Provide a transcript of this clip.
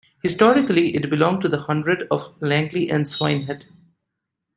Historically it belonged to the Hundred of Langley and Swinehead.